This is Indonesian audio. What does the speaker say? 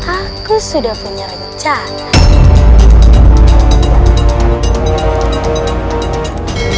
aku sudah punya rencana